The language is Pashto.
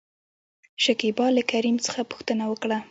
شکيبا له کريم څخه پوښتنه وکړه ؟